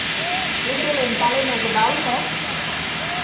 — Кӧ толен, пален огыдал мо?